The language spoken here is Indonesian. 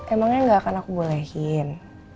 emangnya gak akan aku bolehin